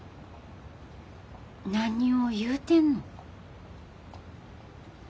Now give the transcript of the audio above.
何を言うてんの。